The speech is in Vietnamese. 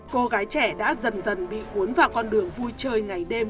cô gái trẻ đã dần dần bị cuốn vào con đường vui chơi ngày đêm